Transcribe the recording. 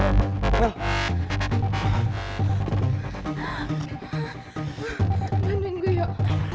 temenin gua yuk